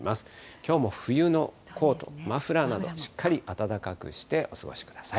きょうも冬のコート、マフラーなどしっかり暖かくしてお過ごしください。